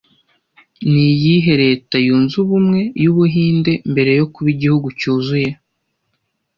Niyihe Leta yunze ubumwe y'Ubuhinde mbere yo kuba Igihugu cyuzuye